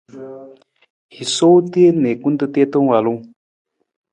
I sowa teen na i kunta tiita waalung.